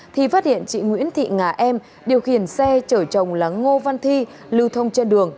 thì phát hiện chị nguyễn thị ngà em điều khiển xe chở chồng là ngô văn thi lưu thông trên đường